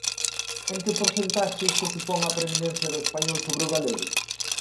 ¿En que porcentaxe isto supón a preeminencia do español sobre o galego?